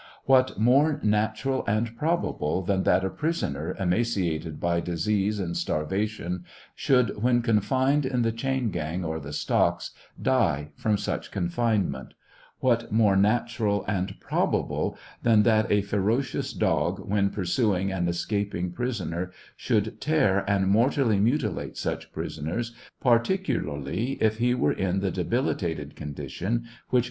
What more " natural and probable " than that a prisoner, emaciated by disease and starvation, should, when confined in the chain gang or the stocks, die from such confinement 1 What more " natural and probable" than that a ferocious dog, when pursuing an escaping prisoner, should tear and mortally mutilate such prisoner, particularly if he were in the debilitated condition which 784 TEIAL OF HENRY WIRZ.